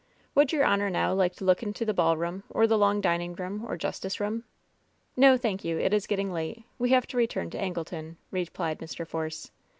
"Would your honor now like to look into the ballroom, or the long dining room, or justice room ?" "No, thank you ; it is getting late. We have to return to Angleton," replied Mr. Force.